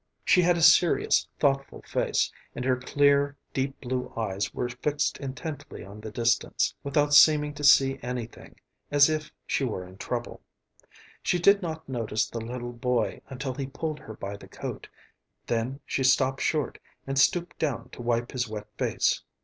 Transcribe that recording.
She had a serious, thoughtful face, and her clear, deep blue eyes were fixed intently on the distance, without seeming to see anything, as if she were in trouble. She did not notice the little boy until he pulled her by the coat. Then she stopped short and stooped down to wipe his wet face.